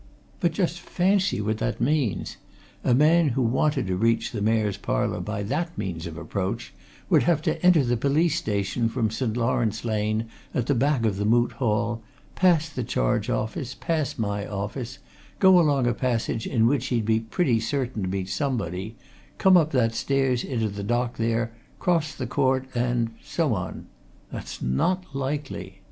But just fancy what that means! A man who wanted to reach the Mayor's Parlour by that means of approach would have to enter the police station from St. Laurence Lane, at the back of the Moot Hall, pass the charge office, pass my office, go along a passage in which he'd be pretty certain to meet somebody, come up that stairs into the dock there, cross the court and so on. That's not likely!